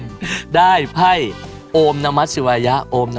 ผู้ที่กดเดือนกัญญาโยน